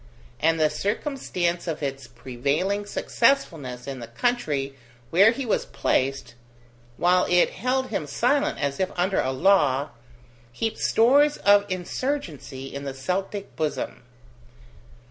And the circumstance of its prevailing successfulness in the country where he was placed, while it held him silent as if under a law, heaped stores of insurgency in the Celtic bosom.